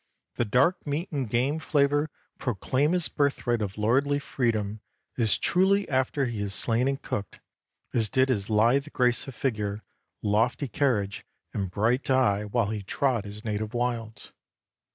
The dark meat and game flavor proclaim his birthright of lordly freedom as truly after he is slain and cooked, as did his lithe grace of figure, lofty carriage, and bright eye while he trod his native wilds.